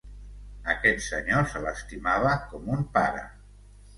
Aquest senyor se l’estimava com un pare.